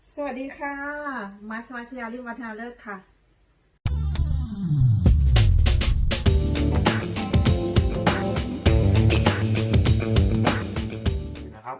สวัสดีค่ะมัสวัชยาริวัฒนาเลิกค่ะ